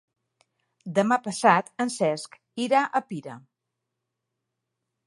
Demà passat en Cesc irà a Pira.